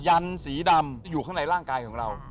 ยันสีดำที่อยู่ข้างในร่างกายของเรา